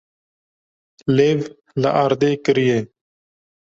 Lêv li erdê kiriye.